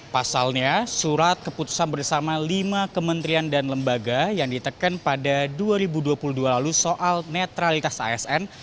pasalnya surat keputusan bersama lima kementerian dan lembaga yang diteken pada dua ribu dua puluh dua lalu soal netralitas asn